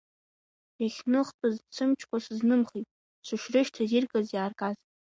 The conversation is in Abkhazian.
Иахьныхтәыз сымчқәа сызнымхит, сышрышьҭаз иргаз, иааргаз…